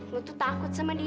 lu tuh takut sama dia